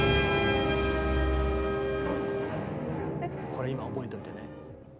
これ今覚えておいてね。